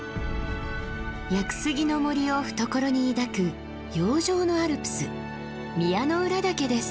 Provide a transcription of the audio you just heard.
屋久杉の森を懐に抱く洋上のアルプス宮之浦岳です。